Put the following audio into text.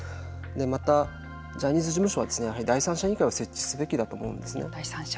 また、ジャニーズ事務所はやはり第三者委員会を設置すべきだと思うんですね。